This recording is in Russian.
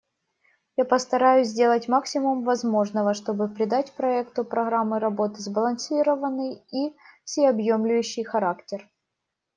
Я постараюсь сделать максимум возможного, чтобы придать проекту программы работы сбалансированный и всеобъемлющий характер.